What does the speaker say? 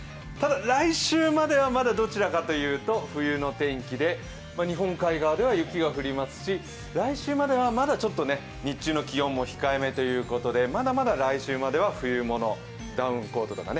ただ来週まではどちらかというと、冬の天気で日本海側では雪が降りますし、来週まではまだちょっと日中の気温も控えめということで、